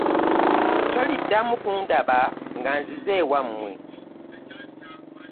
Toliddamu kundaba nga nzize ewammwe.